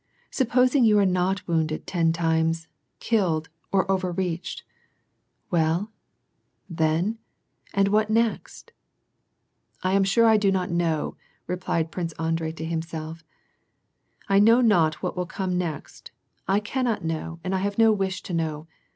supposing you are not wounded ten times, killed, or overreached, well, then, and what next ?"" I am sure I know not," replied Prince Andrei to himself, "I know not what will come next, I cannot know and I have no wish to know.